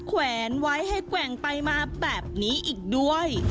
แวนไว้ให้แกว่งไปมาแบบนี้อีกด้วย